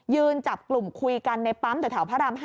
จับกลุ่มคุยกันในปั๊มแถวพระราม๕